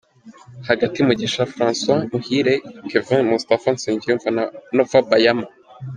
Hagati:Mugisha Francois, Muhire Kevin, Mustapha Nsengiyumva na Nova Bayama.